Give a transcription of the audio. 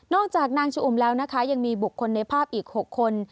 จากนางชุอุ่มแล้วนะคะยังมีบุคคลในภาพอีก๖คน